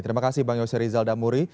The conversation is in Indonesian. terima kasih bang yose rizal damuri